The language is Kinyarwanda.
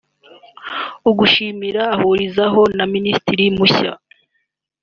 ugushimira ahurizaho na Minisitiri mushya